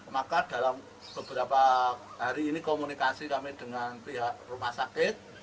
maka dalam beberapa hari ini komunikasi kami dengan pihak rumah sakit